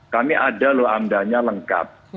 kami ada loh amdanya lengkap